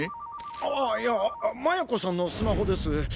ああいや麻也子さんのスマホです。